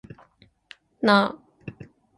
なあ